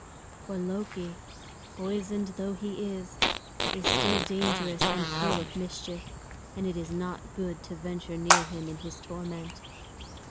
For Loki, poisoned though he is, is still dangerous and full of mischief, and it is not good to venture near him in his torment.